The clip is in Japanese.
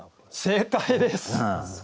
正解です！